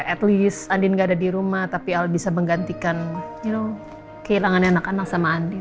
at least andin gak ada di rumah tapi al bisa menggantikan kehilangan anak anak sama andi